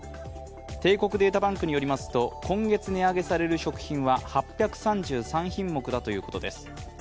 帝国データバンクによりますと、今月値上げされる食品は８３３品目だということです。